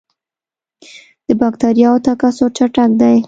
د بکټریاوو تکثر چټک دی.